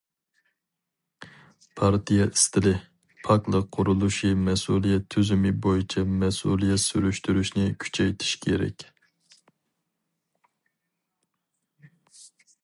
پارتىيە ئىستىلى، پاكلىق قۇرۇلۇشى مەسئۇلىيەت تۈزۈمى بويىچە مەسئۇلىيەت سۈرۈشتۈرۈشنى كۈچەيتىش كېرەك.